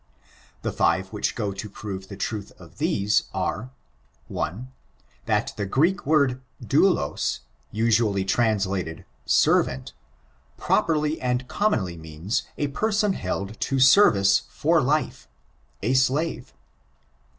The five which go to prove the truth of these are :— I. TJi^t the Greek taord, doulos, usually translated servant, properly and comrnonly means a person held to service for life ^a slave.